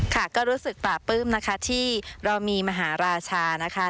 ก็รู้สึกตาปื้มนะครับที่เรามีมหาราชานะฮะ